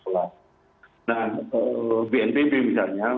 nah bnpb misalnya